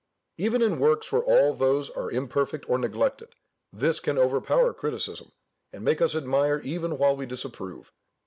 Even in works where all those are imperfect or neglected, this can overpower criticism, and make us admire even while we disapprove.